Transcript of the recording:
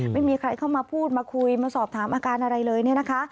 ไม่มีใครเข้ามาพูดมาคุยมาสอบถามอาการอะไรเลยเนี่ยนะคะ